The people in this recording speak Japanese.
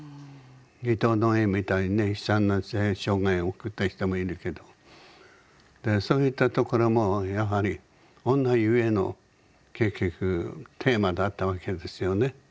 伊藤野枝みたいにね悲惨な生涯を送った人もいるけどそういったところもやはり女ゆえの結局テーマだったわけですよね。